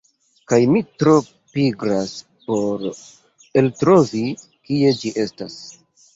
Kaj mi tro pigras por eltrovi kie ĝi estas.